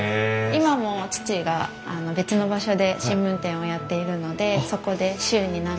今も父が別の場所で新聞店をやっているのでそこで週に何回か配達をしています。